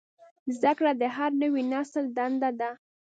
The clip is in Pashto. زدهکړه د هر نوي نسل دنده ده.